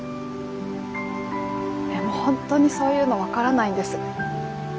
でも本当にそういうの分からないんです。